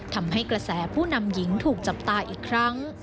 ทำให้กระแสผู้นำหญิงถูกจับตาอีกครั้ง